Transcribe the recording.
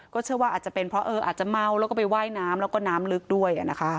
เชื่อว่าอาจจะเป็นเพราะอาจจะเมาแล้วก็ไปว่ายน้ำแล้วก็น้ำลึกด้วย